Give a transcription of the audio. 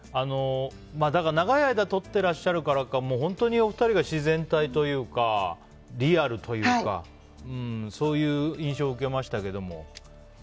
長い間撮っていらっしゃるからか本当にお二人が自然体というかリアルというかそういう印象を受けましたけども。